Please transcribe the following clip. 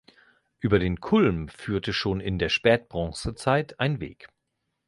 Über den Kulm führte schon in der Spätbronzezeit ein Weg.